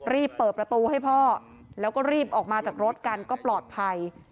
รีบเปิดประตูให้พ่อแล้วก็รีบออกมาจากรถกันก็ปลอดภัย